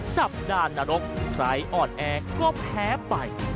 สัปดาห์นรกใครอ่อนแอก็แพ้ไป